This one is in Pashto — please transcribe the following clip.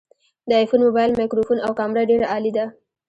د آیفون مبایل مایکروفون او کامره ډیره عالي ده